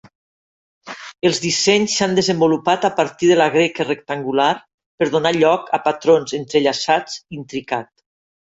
Els dissenys s'han desenvolupat a partir de la greca rectangular per donar lloc a patrons entrellaçats intricat.